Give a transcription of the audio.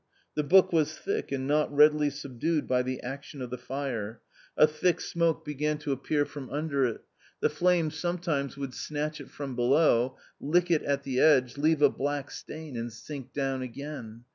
The book was thick and not readily subdued by the action of the fire. A thick smoke began to appear A COMMON STORY 167 from under it ; the flame sometimes would snatch it from below, lick it at the edge, leave a black stain and sink down again.